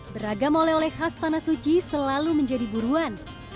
beragam oleh oleh khas tanah suci selalu menjadi buruan